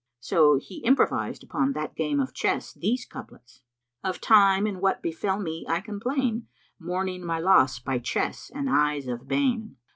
So he improvised upon that game of chess these couplets, "Of Time and what befel me I complain, * Mourning my loss by chess and eyes of bane.